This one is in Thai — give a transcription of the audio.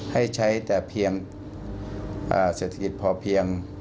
ให้ใช้แต่เพียงเศรษฐกิจพอเพียง